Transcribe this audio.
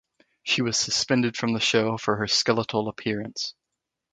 She was suspended from the show for her skeletal appearance.